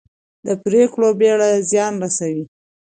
د پرېکړو بېړه زیان رسوي